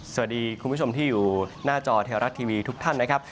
คุณผู้ชมที่อยู่หน้าจอไทยรัฐทีวีทุกท่านนะครับ